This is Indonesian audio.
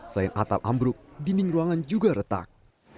selain atap ambruk dinding ruangan juga retak